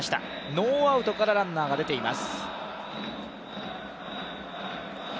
ノーアウトからランナーが出ています。